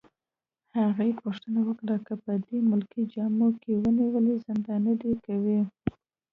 هغې پوښتنه وکړه: که په دې ملکي جامه کي ونیولې، زنداني دي کوي؟